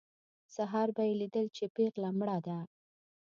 سهار به یې لیدل چې پېغله مړه ده.